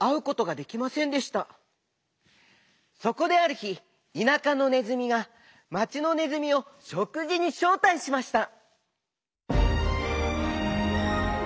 そこであるひ田舎のねずみが町のねずみをしょくじにしょうたいしました。